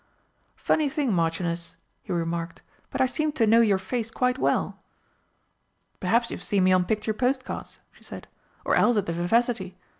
"Funny thing, Marchioness," he remarked, "but I seem to know your face quite well." "Perhaps you've seem me on picture postcards," she said, "or else at the Vivacity.